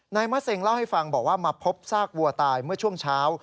มะเซ็งเล่าให้ฟังบอกว่ามาพบซากวัวตายเมื่อช่วงเช้า